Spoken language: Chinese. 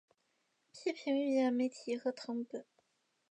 批评预言媒体和誊本